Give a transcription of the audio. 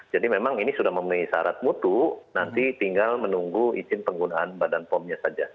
jadi memang ini sudah memenuhi syarat mutu nanti tinggal menunggu izin penggunaan badan pom nya saja